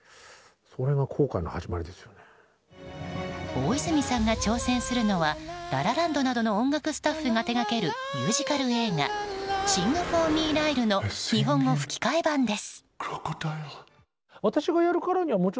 大泉さんが挑戦するのは「ラ・ラ・ランド」などの音楽スタッフが手掛けるミュージカル映画「シング・フォー・ミー、ライル」の日本語吹き替え版です。